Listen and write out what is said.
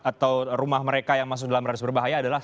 atau rumah mereka yang masuk dalam raris berbahaya adalah